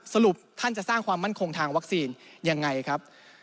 สรุปท่านจะสร้างความมั่นคงทางวัคซีนยังไงครับ